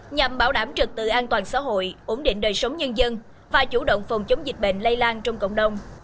nhằm bảo đảm trực tự an toàn xã hội ổn định đời sống nhân dân và chủ động phòng chống dịch bệnh lây lan trong cộng đồng